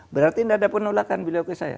berarti tidak ada penolakan beliau ke saya